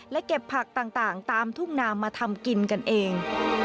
และเก็บผักต่างตามทุ่งนามาทำกินกันเอง